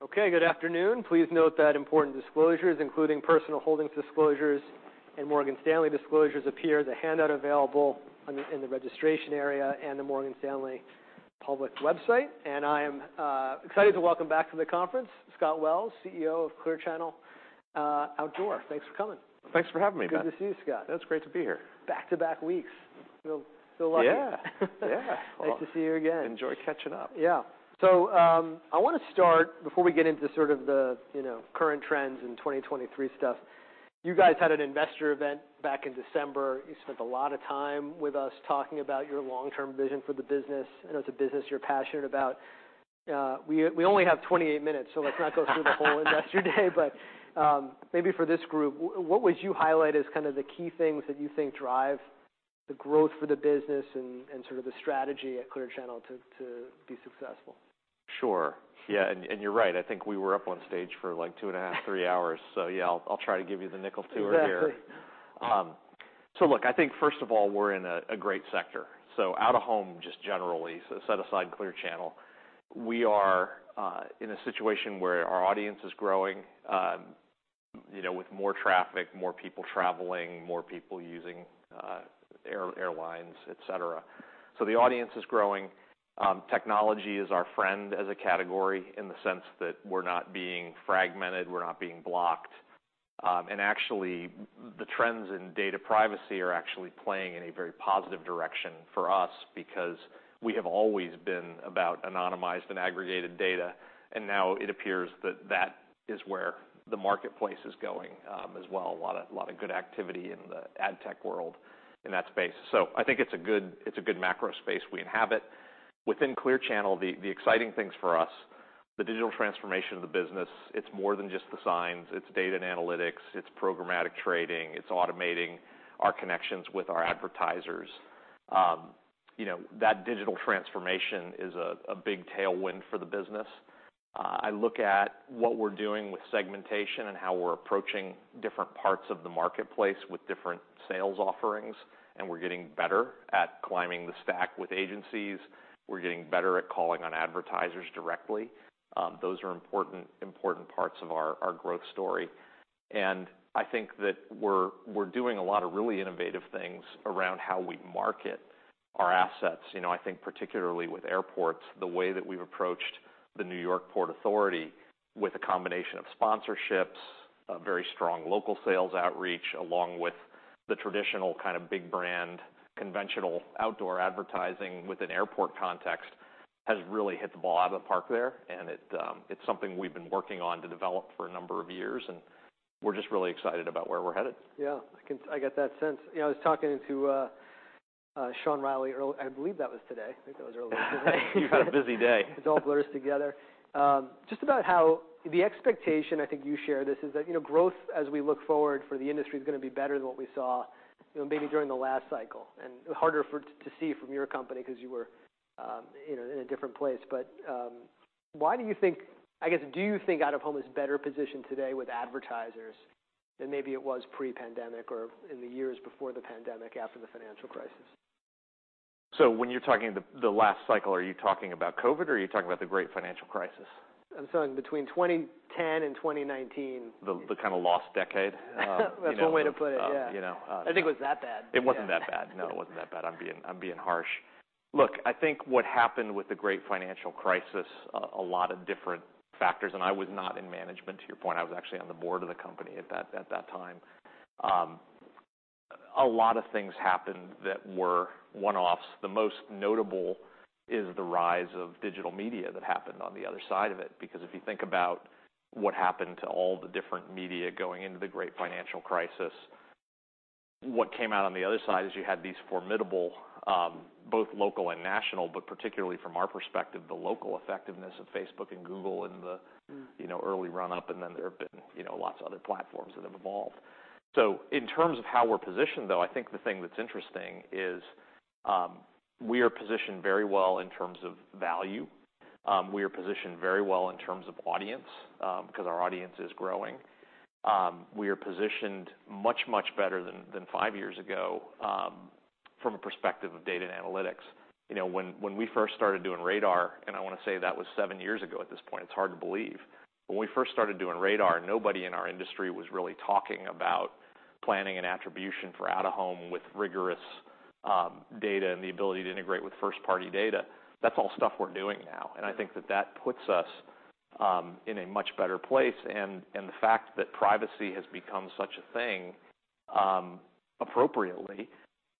Okay, good afternoon. Please note that important disclosures, including personal holdings disclosures and Morgan Stanley disclosures appear as a handout available in the registration area and the Morgan Stanley public website. I am excited to welcome back to the conference Scott Wells, CEO of Clear Channel Outdoor. Thanks for coming. Thanks for having me, Ben. Good to see you, Scott. It's great to be here. Back-to-back weeks. Feel lucky. Yeah. Yeah. Nice to see you again. Enjoy catching up. Yeah. I wanna start before we get into sort of the, you know, current trends in 2023 stuff. You guys had an investor event back in December. You spent a lot of time with us talking about your long-term vision for the business. I know it's a business you're passionate about. We only have 28 minutes, let's not go through the whole investor day, but maybe for this group, what would you highlight as kind of the key things that you think drive the growth for the business and sort of the strategy at Clear Channel to be successful? Sure. You're right. I think we were up on stage for, like, two and a half, three hours. Yeah, I'll try to give you the nickel tour here. Exactly. Look, I think first of all, we're in a great sector. Out-of-home just generally, set aside Clear Channel. We are in a situation where our audience is growing, you know, with more traffic, more people traveling, more people using airlines, et cetera. The audience is growing. Technology is our friend as a category in the sense that we're not being fragmented, we're not being blocked. And actually, the trends in data privacy are actually playing in a very positive direction for us because we have always been about anonymized and aggregated data, and now it appears that that is where the marketplace is going, as well. A lot of, a lot of good activity in the ad tech world in that space. I think it's a good, it's a good macro space we inhabit. Within Clear Channel, the exciting things for us, the digital transformation of the business, it's more than just the signs, it's data and analytics, it's programmatic trading, it's automating our connections with our advertisers. You know, that digital transformation is a big tailwind for the business. I look at what we're doing with segmentation and how we're approaching different parts of the marketplace with different sales offerings. We're getting better at climbing the stack with agencies. We're getting better at calling on advertisers directly. Those are important parts of our growth story. I think that we're doing a lot of really innovative things around how we market our assets. You know, I think particularly with airports, the way that we've approached the New York Port Authority with a combination of sponsorships, a very strong local sales outreach, along with the traditional kind of big brand, conventional outdoor advertising with an airport context has really hit the ball out of the park there. It's something we've been working on to develop for a number of years, and we're just really excited about where we're headed. Yeah. I get that sense. You know, I was talking to Sean Reilly I believe that was today. I think that was earlier today. You've had a busy day. It all blurs together. Just about how the expectation, I think you share this, is that, you know, growth as we look forward for the industry is gonna be better than what we saw, you know, maybe during the last cycle, and harder to see from your company 'cause you were, you know, in a different place. Why do you think, I guess, do you think out-of-home is better positioned today with advertisers than maybe it was pre-pandemic or in the years before the pandemic, after the financial crisis? When you're talking the last cycle, are you talking about COVID or are you talking about the Great Financial Crisis? I'm saying between 2010 and 2019. The kind of lost decade? You know. That's one way to put it, yeah.... you know. I think it was that bad. It wasn't that bad. No, it wasn't that bad. I'm being harsh. Look, I think what happened with the great financial crisis, a lot of different factors, I was not in management, to your point. I was actually on the board of the company at that time. A lot of things happened that were one-offs. The most notable is the rise of digital media that happened on the other side of it because if you think about what happened to all the different media going into the great financial crisis, what came out on the other side is you had these formidable, both local and national, but particularly from our perspective, the local effectiveness of Facebook and Google. Mm... you know, early run up, and then there have been, you know, lots of other platforms that have evolved. In terms of how we're positioned, though, I think the thing that's interesting is, we are positioned very well in terms of value. We are positioned very well in terms of audience, 'cause our audience is growing. We are positioned much, much better than five years ago, from a perspective of data and analytics. You know, when we first started doing RADAR, and I wanna say that was seven years ago at this point. It's hard to believe. When we first started doing RADAR, nobody in our industry was really talking about planning and attribution for out-of-home with rigorous data and the ability to integrate with first-party data. That's all stuff we're doing now, and I think that that puts us in a much better place. The fact that privacy has become such a thing, appropriately,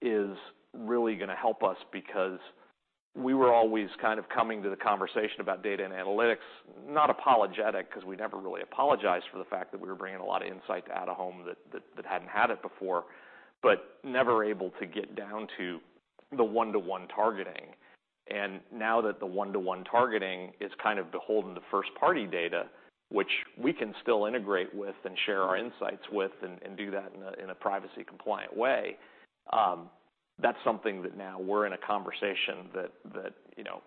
is really gonna help us because we were always kind of coming to the conversation about data and analytics, not apologetic, 'cause we never really apologized for the fact that we were bringing a lot of insight to out-of-home that hadn't had it before, but never able to get down to the one-to-one targeting. Now that the one-to-one targeting is kind of beholden to first-party data, which we can still integrate with and share our insights with and do that in a privacy compliant way, that's something that now we're in a conversation that, you know,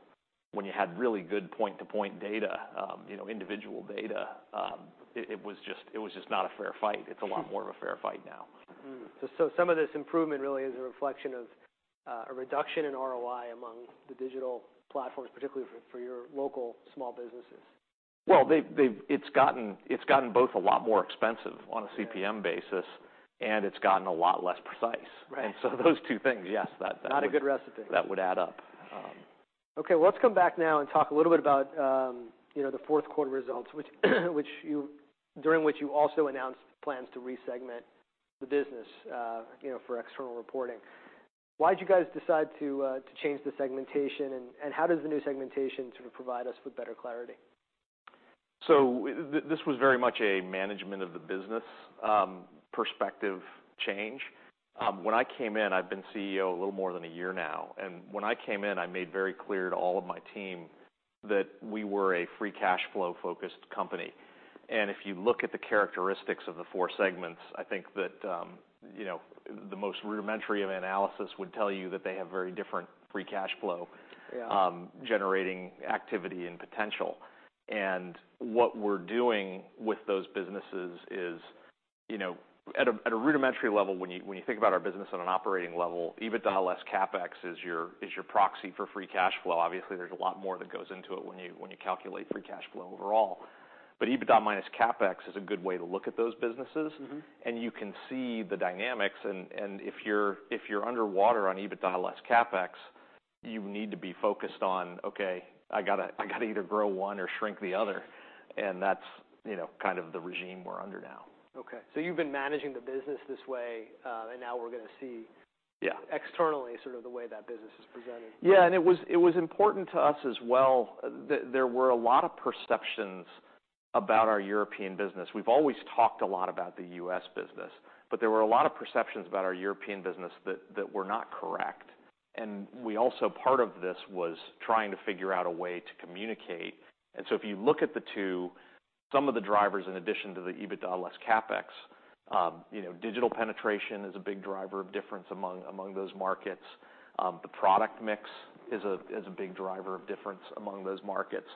when you had really good point-to-point data, you know, individual data, it was just not a fair fight. It's a lot more of a fair fight now. Some of this improvement really is a reflection of a reduction in ROI among the digital platforms, particularly for your local small businesses. Well, it's gotten both a lot more expensive on a CPM basis, and it's gotten a lot less precise. Right. Those two things, yes, that. Not a good recipe.... that would add up. Well let's come back now and talk a little bit about, you know, the fourth quarter results, which during which you also announced plans to re-segment the business, you know, for external reporting. Why'd you guys decide to change the segmentation, and how does the new segmentation sort of provide us with better clarity? This was very much a management-of-the-business, perspective change. When I came in, I've been CEO a little more than a year now, and when I came in, I made very clear to all of my team that we were a free cash flow-focused company. If you look at the characteristics of the four segments, I think that, you know, the most rudimentary of analysis would tell you that they have very different free cash flow- Yeah generating activity and potential. What we're doing with those businesses is, you know, at a rudimentary level, when you think about our business on an operating level, EBITDA less CapEx is your proxy for free cash flow. Obviously, there's a lot more that goes into it when you calculate free cash flow overall. EBITDA minus CapEx is a good way to look at those businesses. Mm-hmm. You can see the dynamics, and if you're underwater on EBITDA less CapEx, you need to be focused on, okay, I gotta either grow one or shrink the other, and that's, you know, kind of the regime we're under now. Okay. You've been managing the business this way, and now we're gonna. Yeah externally sort of the way that business is presented. It was important to us as well. There were a lot of perceptions about our European business. We've always talked a lot about the U.S. business, but there were a lot of perceptions about our European business that were not correct, part of this was trying to figure out a way to communicate. If you look at the two, some of the drivers in addition to the EBITDA less CapEx, you know, digital penetration is a big driver of difference among those markets. The product mix is a big driver of difference among those markets.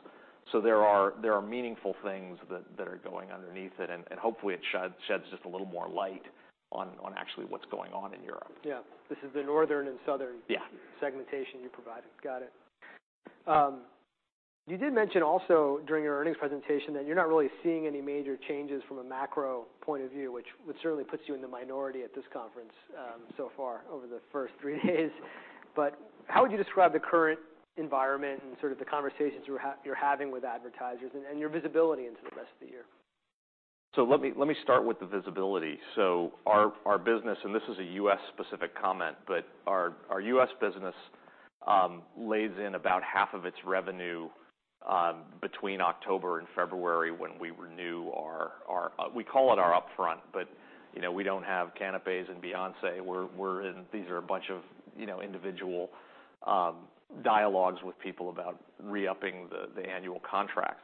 There are meaningful things that are going underneath it, and hopefully it sheds just a little more light on actually what's going on in Europe. Yeah. This is the northern and southern- Yeah segmentation you provided. Got it. You did mention also during your earnings presentation that you're not really seeing any major changes from a macro point of view, which certainly puts you in the minority at this conference, so far over the first three days. How would you describe the current environment and sort of the conversations you're having with advertisers and your visibility into the rest of the year? Let me start with the visibility. Our business, and this is a U.S.-specific comment, but our U.S. business lays in about half of its revenue between October and February when we renew our upfront, but, you know, we don't have canapés and Beyoncé. These are a bunch of, you know, individual dialogues with people about re-upping the annual contract.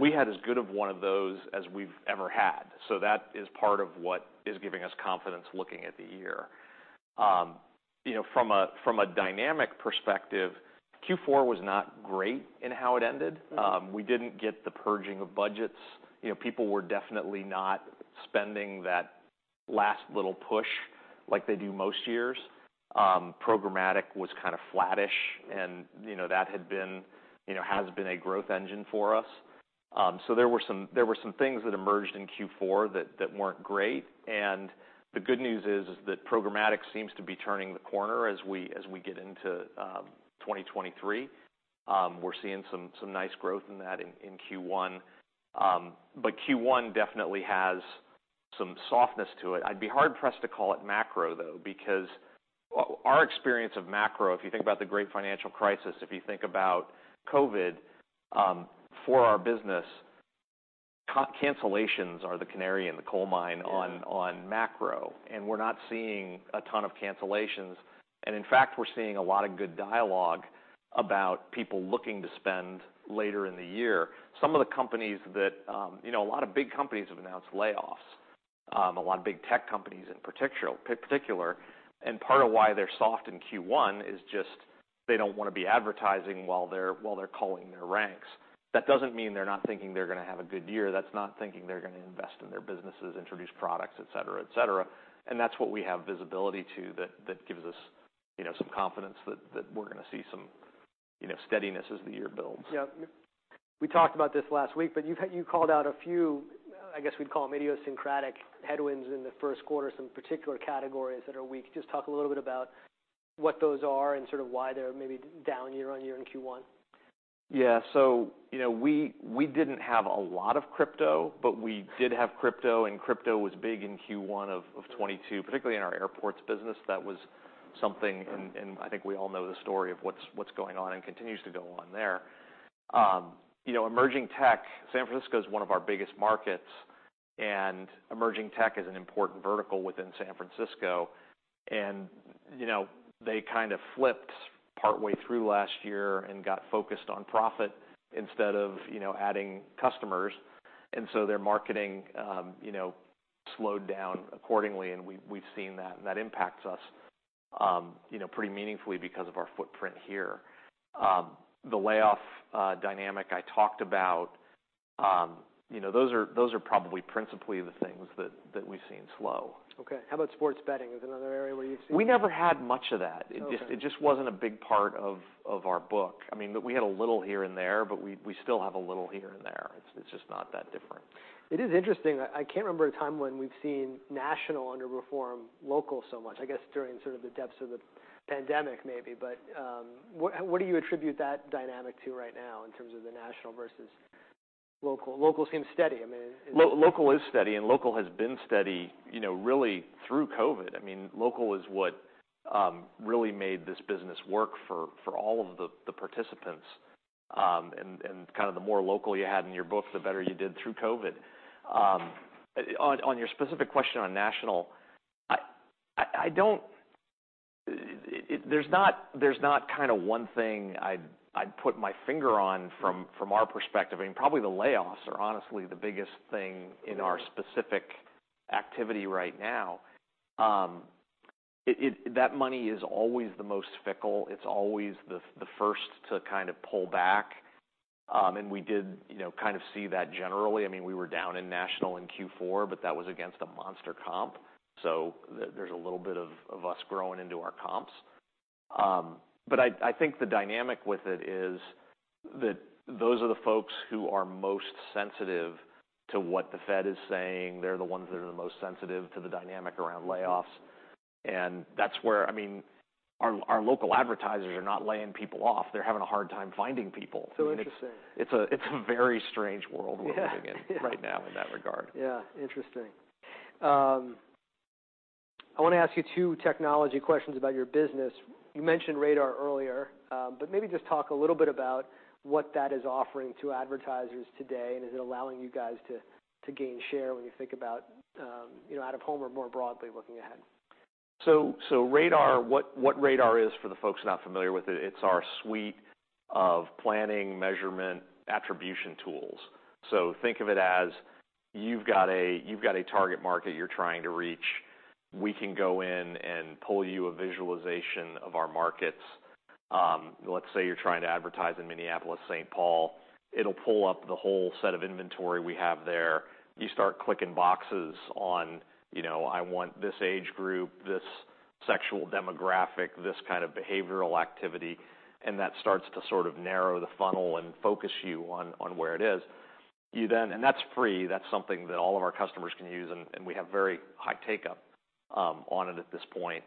We had as good of one of those as we've ever had. That is part of what is giving us confidence looking at the year. You know, from a dynamic perspective, Q4 was not great in how it ended. We didn't get the purging of budgets. You know, people were definitely not spending that last little push like they do most years. Programmatic was kind of flattish and, you know, that had been, you know, has been a growth engine for us. So there were some things that emerged in Q4 that weren't great. The good news is that programmatic seems to be turning the corner as we get into 2023. We're seeing some nice growth in that in Q1. But Q1 definitely has some softness to it. I'd be hard-pressed to call it macro, though, because our experience of macro, if you think about the great financial crisis, if you think about COVID, for our business, cancellations are the canary in the coal mine. Yeah... on macro, and we're not seeing a ton of cancellations. In fact, we're seeing a lot of good dialogue about people looking to spend later in the year. Some of the companies that, you know, a lot of big companies have announced layoffs, a lot of big tech companies in particular, and part of why they're soft in Q1 is just they don't wanna be advertising while they're culling their ranks. That doesn't mean they're not thinking they're gonna have a good year. That's not thinking they're gonna invest in their businesses, introduce products, et cetera, et cetera. That's what we have visibility to that gives us, you know, some confidence that we're gonna see some, you know, steadiness as the year builds. Yeah. We talked about this last week, but you called out a few, I guess we'd call them idiosyncratic headwinds in the first quarter, some particular categories that are weak. Just talk a little bit about what those are and sort of why they're maybe down year-on-year in Q1. Yeah. you know, we didn't have a lot of crypto, but we did have crypto, and crypto was big in Q1 of 2022, particularly in our airports business. Mm-hmm ... and I think we all know the story of what's going on and continues to go on there. You know, emerging tech, San Francisco is one of our biggest markets, and emerging tech is an important vertical within San Francisco. You know, they kind of flipped partway through last year and got focused on profit instead of, you know, adding customers. Their marketing, you know, slowed down accordingly and we've seen that. That impacts us, you know, pretty meaningfully because of our footprint here. The layoff dynamic I talked about. You know, those are probably principally the things that we've seen slow. Okay. How about sports betting? Is another area where you've seen- We never had much of that. Okay. It just wasn't a big part of our book. I mean, we had a little here and there, but we still have a little here and there. It's just not that different. It is interesting. I can't remember a time when we've seen national underperform local so much. I guess during sort of the depths of the pandemic maybe. What do you attribute that dynamic to right now in terms of the national versus local? Local seems steady. I mean. Local is steady, and local has been steady, you know, really through COVID. I mean, local is what really made this business work for all of the participants. Kind of the more local you had in your book, the better you did through COVID. On your specific question on national, I don't. There's not kinda one thing I'd put my finger on from our perspective. I mean, probably the layoffs are honestly the biggest thing in our specific activity right now. That money is always the most fickle. It's always the first to kind of pull back. We did, you know, kind of see that generally. I mean, we were down in national in Q4, but that was against a monster comp. There's a little bit of us growing into our comps. But I think the dynamic with it is that those are the folks who are most sensitive to what the Fed is saying. They're the ones that are the most sensitive to the dynamic around layoffs. That's where I mean, our local advertisers are not laying people off. They're having a hard time finding people. Interesting. It's a very strange world we're living in. Yeah. right now in that regard. Yeah, interesting. I wanna ask you two technology questions about your business. You mentioned RADAR earlier, but maybe just talk a little bit about what that is offering to advertisers today, and is it allowing you guys to gain share when you think about, you know, out-of-home or more broadly looking ahead? RADAR, what RADAR is for the folks not familiar with it's our suite of planning, measurement, attribution tools. Think of it as you've got a target market you're trying to reach. We can go in and pull you a visualization of our markets. Let's say you're trying to advertise in Minneapolis-Saint Paul. It'll pull up the whole set of inventory we have there. You start clicking boxes on, you know, I want this age group, this sexual demographic, this kind of behavioral activity, and that starts to sort of narrow the funnel and focus you on where it is. That's free. That's something that all of our customers can use, and we have very high take-up on it at this point.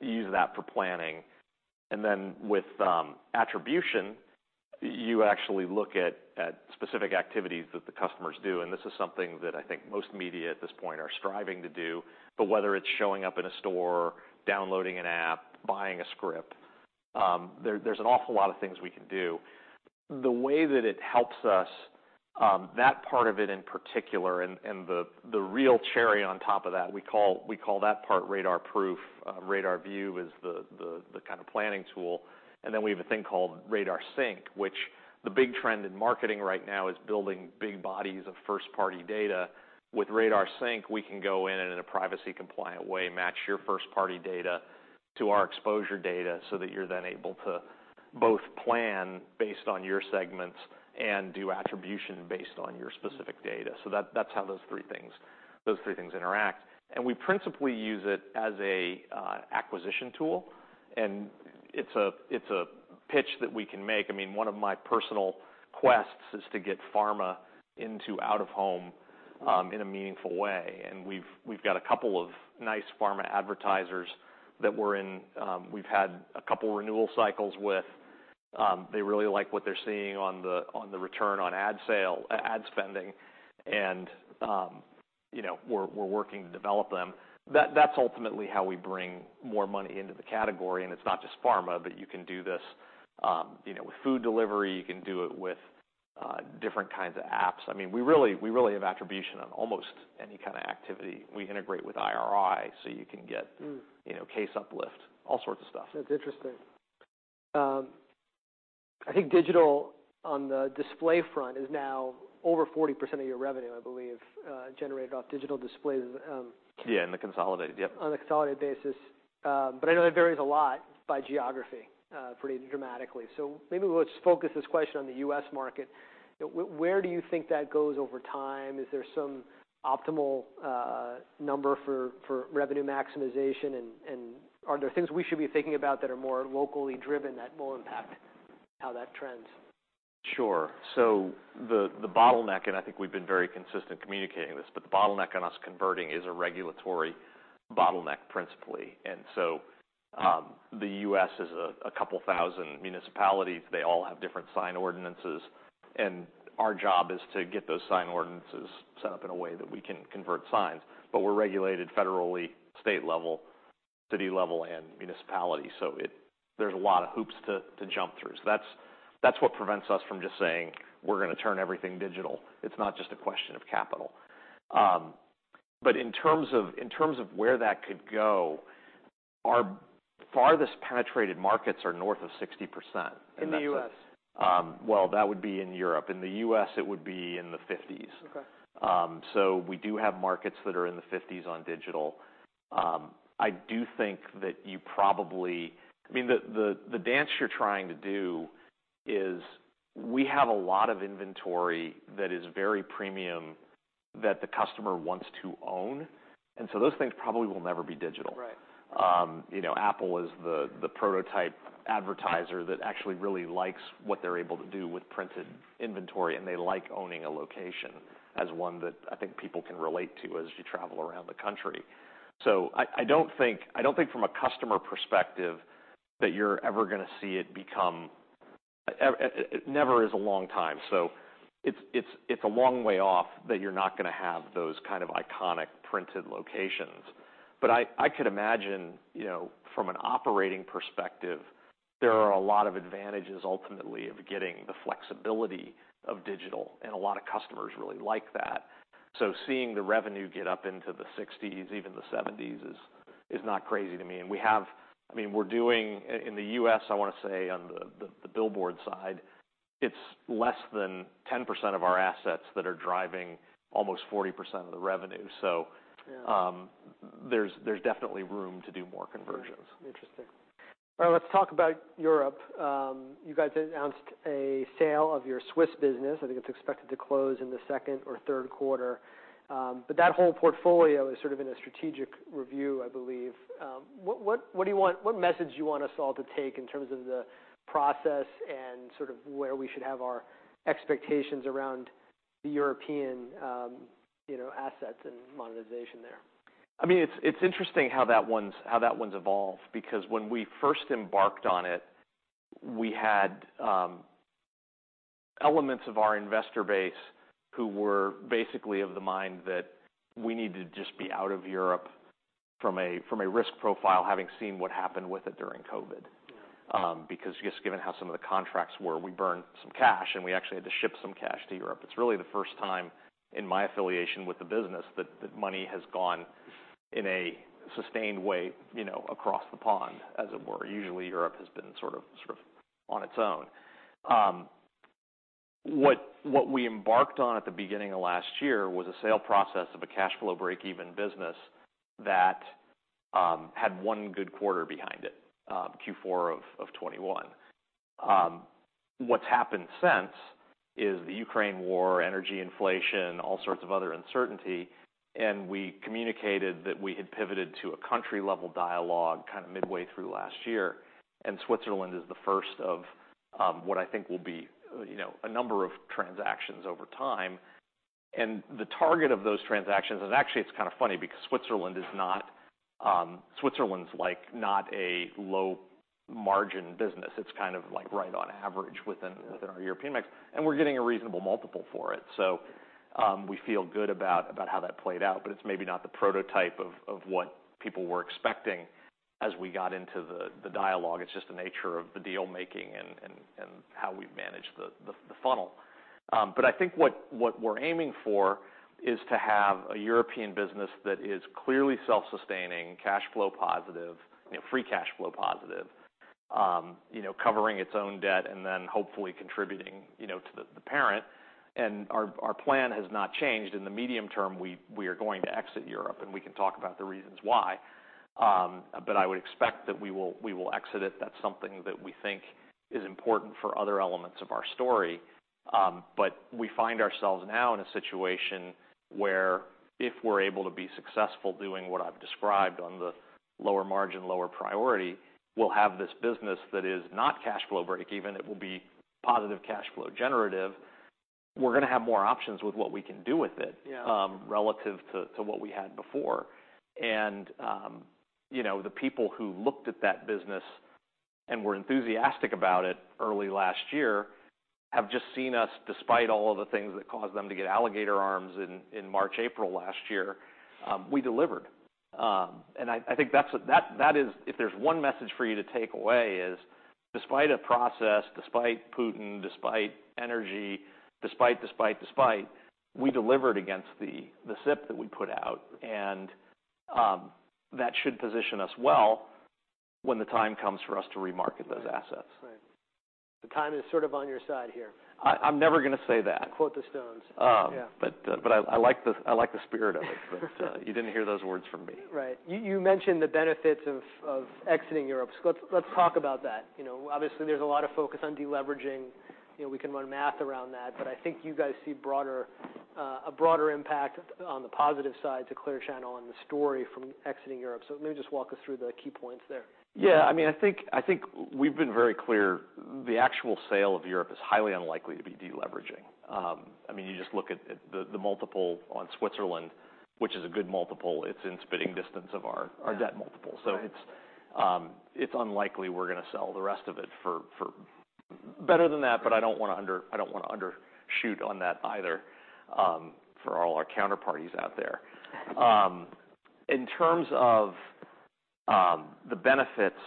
Use that for planning. Then with attribution, you actually look at specific activities that the customers do, and this is something that I think most media at this point are striving to do. Whether it's showing up in a store, downloading an app, buying a script, there's an awful lot of things we can do. The way that it helps us, that part of it in particular and the real cherry on top of that, we call that part RADARProof. RADARView is the kind of planning tool. Then we have a thing called RADARSync, which the big trend in marketing right now is building big bodies of first-party data. With RADARSync, we can go in a privacy compliant way, match your first-party data to our exposure data, so that you're then able to both plan based on your segments and do attribution based on your specific data. That's how those three things interact. We principally use it as an acquisition tool, and it's a pitch that we can make. I mean, one of my personal quests is to get pharma into out-of-home in a meaningful way. We've got a couple of nice pharma advertisers that we're in, we've had a couple renewal cycles with. They really like what they're seeing on the return on ad spending. You know, we're working to develop them. That's ultimately how we bring more money into the category. It's not just pharma, but you can do this, you know, with food delivery. You can do it with different kinds of apps. I mean, we really have attribution on almost any kind of activity. We integrate with IRI, so you can get-. Mm. you know, case uplift, all sorts of stuff. That's interesting. I think digital on the display front is now over 40% of your revenue, I believe, generated off digital displays. Yeah, in the consolidated. Yep. On a consolidated basis. I know it varies a lot by geography, pretty dramatically. Maybe let's focus this question on the U.S. market. Where do you think that goes over time? Is there some optimal number for revenue maximization? Are there things we should be thinking about that are more locally driven that will impact how that trends? Sure. The, the bottleneck, and I think we've been very consistent communicating this, but the bottleneck on us converting is a regulatory bottleneck, principally. The U.S. is a couple thousand municipalities. They all have different sign ordinances, and our job is to get those sign ordinances set up in a way that we can convert signs. We're regulated federally, state level, city level, and municipality. There's a lot of hoops to jump through. That's what prevents us from just saying, "We're gonna turn everything digital." It's not just a question of capital. In terms of where that could go, our farthest penetrated markets are north of 60%. In the U.S.? Well, that would be in Europe. In the U.S., it would be in the 50s. Okay. We do have markets that are in the 50s on digital. I do think that I mean the, the dance you're trying to do is we have a lot of inventory that is very premium that the customer wants to own, those things probably will never be digital. Right. You know, Apple is the prototype advertiser that actually really likes what they're able to do with printed inventory, and they like owning a location as one that I think people can relate to as you travel around the country. I don't think, I don't think from a customer perspective that you're ever gonna see it become. Never is a long time, so it's a long way off that you're not gonna have those kind of iconic printed locations. I could imagine, you know, from an operating perspective, there are a lot of advantages ultimately of getting the flexibility of digital, and a lot of customers really like that. Seeing the revenue get up into the 60s, even the 70s, is not crazy to me. I mean, we're doing in the U.S., I wanna say on the billboard side, it's less than 10% of our assets that are driving almost 40% of the revenue. Yeah There's definitely room to do more conversions. Interesting. All right, let's talk about Europe. You guys announced a sale of your Swiss business. I think it's expected to close in the second or third quarter. That whole portfolio is sort of in a strategic review, I believe. What message do you want us all to take in terms of the process and sort of where we should have our expectations around the European, you know, assets and monetization there? I mean, it's interesting how that one's evolved because when we first embarked on it, we had elements of our investor base who were basically of the mind that we need to just be out of Europe from a risk profile, having seen what happened with it during COVID. Yeah. Because just given how some of the contracts were, we burned some cash, and we actually had to ship some cash to Europe. It's really the first time in my affiliation with the business that that money has gone in a sustained way, you know, across the pond, as it were. Usually, Europe has been sort of on its own. What we embarked on at the beginning of last year was a sale process of a cash flow break-even business that had one good quarter behind it, Q4 of 2021. What's happened since is the Ukraine war, energy inflation, all sorts of other uncertainty, and we communicated that we had pivoted to a country-level dialogue kind of midway through last year. Switzerland is the first of what I think will be, you know, a number of transactions over time. The target of those transactions is actually, it's kind of funny because Switzerland's like not a low-margin business. It's kind of like right on average within our European mix, and we're getting a reasonable multiple for it. We feel good about how that played out, but it's maybe not the prototype of what people were expecting as we got into the dialogue. It's just the nature of the deal-making and how we've managed the funnel. I think what we're aiming for is to have a European business that is clearly self-sustaining, cash flow positive, you know, free cash flow positive, you know, covering its own debt, and then hopefully contributing, you know, to the parent. Our plan has not changed. In the medium term, we are going to exit Europe. We can talk about the reasons why. I would expect that we will exit it. That's something that we think is important for other elements of our story. We find ourselves now in a situation where if we're able to be successful doing what I've described on the lower margin, lower priority, we'll have this business that is not cash flow break even. It will be positive cash flow generative. We're gonna have more options with what we can do with it. Yeah ...relative to what we had before. You know, the people who looked at that business and were enthusiastic about it early last year have just seen us, despite all of the things that caused them to get alligator arms in March, April last year, we delivered. If there's one message for you to take away is despite a process, despite Putin, despite energy, despite, despite, we delivered against the SIP that we put out. That should position us well when the time comes for us to remarket those assets. Right. The time is sort of on your side here. I'm never gonna say that. To quote the Stones. Um- Yeah. But I like the spirit of it. You didn't hear those words from me. Right. You mentioned the benefits of exiting Europe, so let's talk about that. You know, obviously there's a lot of focus on deleveraging. You know, we can run math around that, but I think you guys see broader, a broader impact on the positive side to Clear Channel and the story from exiting Europe. Maybe just walk us through the key points there. Yeah. I mean, I think, I think we've been very clear the actual sale of Europe is highly unlikely to be deleveraging. I mean, you just look at the multiple on Switzerland, which is a good multiple. It's in spitting distance of our debt multiple. Right. It's unlikely we're gonna sell the rest of it for better than that, but I don't wanna undershoot on that either for all our counterparties out there. In terms of the benefits,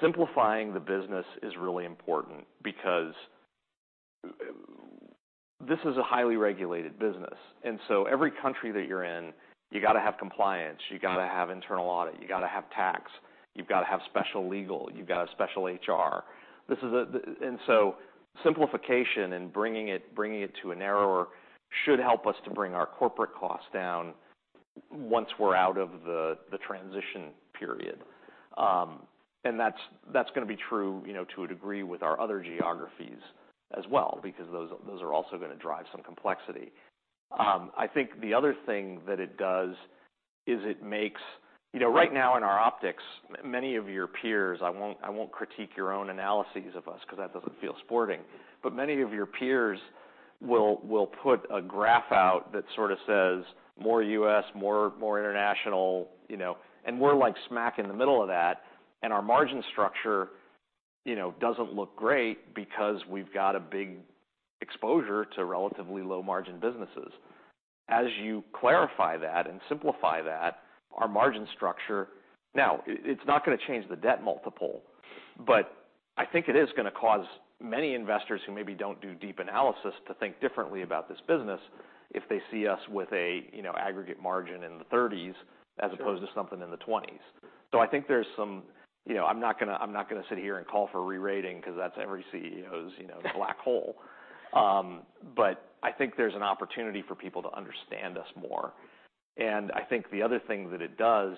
simplifying the business is really important because this is a highly regulated business, and so every country that you're in, you gotta have compliance, you gotta have internal audit, you gotta have tax. You've gotta have special legal, you've got a special HR. Simplification and bringing it to a narrower should help us to bring our corporate costs down once we're out of the transition period. That's gonna be true, you know, to a degree with our other geographies as well, because those are also gonna drive some complexity. I think the other thing that it does is it makes. You know, right now in our optics, many of your peers, I won't critique your own analyses of us 'cause that doesn't feel sporting, but many of your peers will put a graph out that sorta says, more U.S., more international, you know, and we're like smack in the middle of that, and our margin structure, you know, doesn't look great because we've got a big exposure to relatively low margin businesses. As you clarify that and simplify that, our margin structure. Now, it's not gonna change the debt multiple, but I think it is gonna cause many investors who maybe don't do deep analysis to think differently about this business if they see us with a, you know, aggregate margin in the thirties as opposed to something in the twenties. I think there's some... You know, I'm not gonna, I'm not gonna sit here and call for re-rating 'cause that's every CEO's, you know, black hole. I think there's an opportunity for people to understand us more. I think the other thing that it does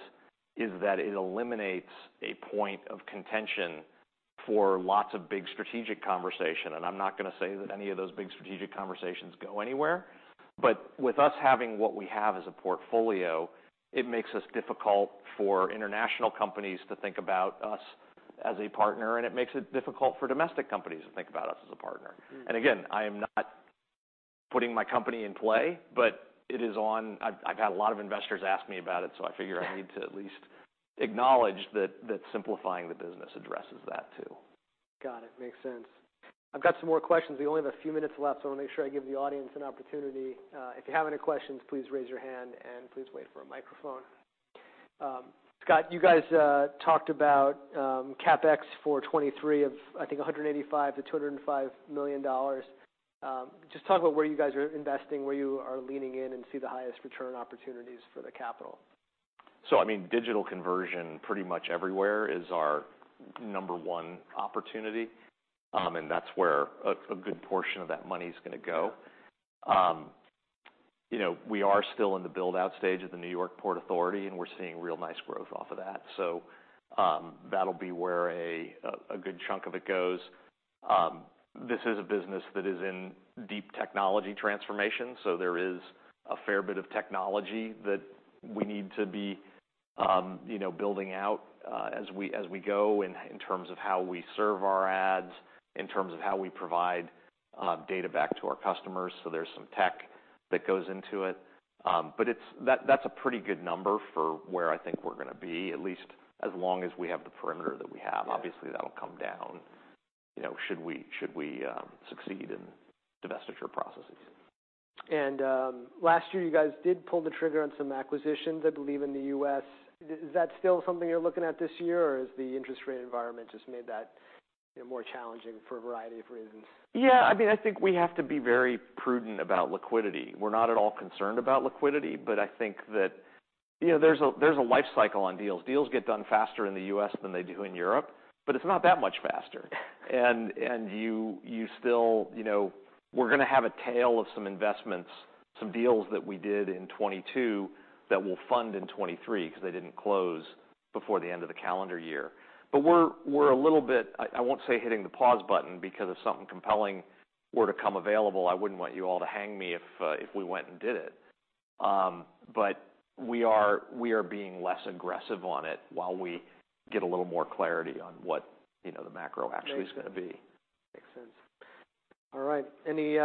is that it eliminates a point of contention for lots of big strategic conversation. I'm not gonna say that any of those big strategic conversations go anywhere, but with us having what we have as a portfolio, it makes us difficult for international companies to think about us as a partner, and it makes it difficult for domestic companies to think about us as a partner. Mm. Again, I am not putting my company in play, but it is on. I've had a lot of investors ask me about it, so I figure. Yeah... I need to at least acknowledge that simplifying the business addresses that too. Got it. Makes sense. I've got some more questions. We only have a few minutes left, so I wanna make sure I give the audience an opportunity. If you have any questions, please raise your hand and please wait for a microphone. Scott, you guys talked about CapEx for 2023 of, I think, $185 million-$205 million. Just talk about where you guys are investing, where you are leaning in and see the highest return opportunities for the capital. I mean, digital conversion pretty much everywhere is our number 1 opportunity, and that's where a good portion of that money's gonna go. You know, we are still in the build-out stage at the New York Port Authority, and we're seeing real nice growth off of that. That'll be where a good chunk of it goes. This is a business that is in deep technology transformation, so there is a fair bit of technology that we need to be building out, as we, as we go in terms of how we serve our ads, in terms of how we provide data back to our customers, so there's some tech that goes into it. That's a pretty good number for where I think we're gonna be, at least as long as we have the perimeter that we have. Yeah. Obviously, that'll come down, you know, should we succeed in divestiture processes. Last year you guys did pull the trigger on some acquisitions, I believe, in the U.S. Is that still something you're looking at this year, or has the interest rate environment just made that, you know, more challenging for a variety of reasons? Yeah, I mean, I think we have to be very prudent about liquidity. We're not at all concerned about liquidity, but I think that, you know, there's a life cycle on deals. Deals get done faster in the U.S. than they do in Europe, but it's not that much faster. You still, you know, we're gonna have a tail of some investments, some deals that we did in 2022 that will fund in 2023 'cause they didn't close before the end of the calendar year. We're a little bit, I won't say hitting the pause button because if something compelling were to come available, I wouldn't want you all to hang me if we went and did it. We are being less aggressive on it while we get a little more clarity on what, you know, the macro actually is gonna be. Makes sense. Makes sense. All right, any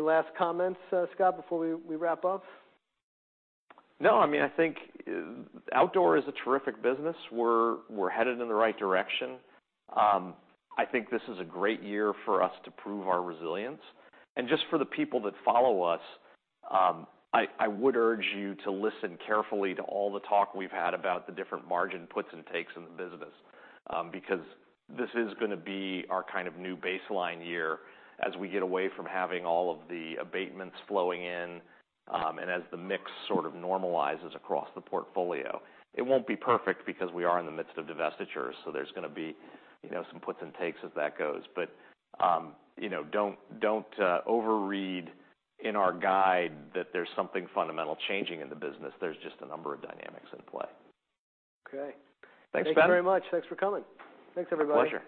last comments, Scott, before we wrap up? No, I mean, I think outdoor is a terrific business. We're headed in the right direction. I think this is a great year for us to prove our resilience. Just for the people that follow us, I would urge you to listen carefully to all the talk we've had about the different margin puts and takes in the business, because this is gonna be our kind of new baseline year as we get away from having all of the abatements flowing in, and as the mix sort of normalizes across the portfolio. It won't be perfect because we are in the midst of divestitures, so there's gonna be, you know, some puts and takes as that goes. You know, don't overread in our guide that there's something fundamental changing in the business. There's just a number of dynamics in play. Okay. Thanks, Ben. Thank you very much. Thanks for coming. Thanks, everybody. Pleasure.